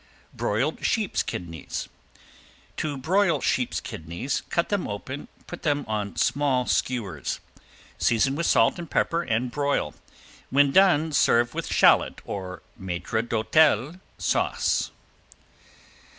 ~BROILED SHEEP'S KIDNEYS~ To broil sheep's kidneys cut them open, put them on small skewers. Season with salt and pepper and broil. When done serve with shallot or maitre d'hotel sauce.